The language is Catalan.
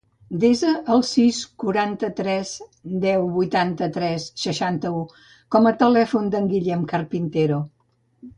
Desa el sis, quaranta-tres, deu, vuitanta-tres, seixanta-u com a telèfon del Guillem Carpintero.